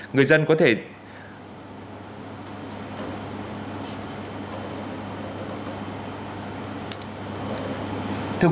người dân có thể dán thẻ thu phí không dừng tại các trạm thu phí